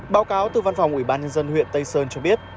báo cáo từ văn phòng ủy ban nhân dân huyện tây sơn cho biết